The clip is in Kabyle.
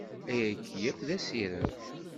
Ayagi yakk d asirem.